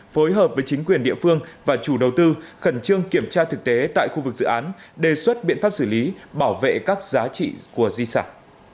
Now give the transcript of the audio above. phối hợp với chính quyền địa phương và chủ đầu tư khẩn trương kiểm tra thực tế tại khu vực dự án đề xuất biện pháp xử lý bảo vệ các giá trị của di sản